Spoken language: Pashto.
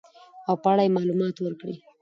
او په اړه يې معلومات ورکړي .